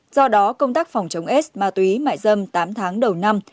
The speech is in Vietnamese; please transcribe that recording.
do đó công tác phòng chống s ma túy mại dâm tám tháng đầu năm